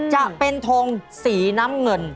จะเป็นทงสีน้ำเงิน